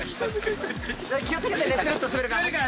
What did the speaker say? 気を付けてねつるっと滑るから。